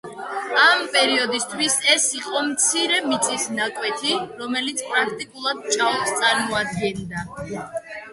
ამ პერიოდისთვის ეს იყო მცირე მიწის ნაკვეთი, რომელიც პრაქტიკულად ჭაობს წარმოადგენდა.